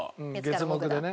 月木でね。